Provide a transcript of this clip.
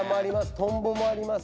トンボもあります。